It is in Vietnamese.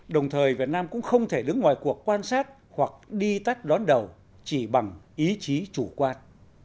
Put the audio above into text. đồng thời việt nam cũng không thể đứng ngoài cuộc quan sát hoặc đi tắt đón đầu chỉ bằng ý chí chủ quan